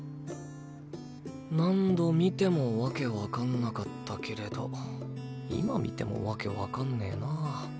何度見てもわけわかんなかったけれど今見てもわけわかんねな。